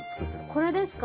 これですか？